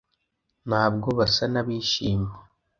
Ntabwo basa nabishimye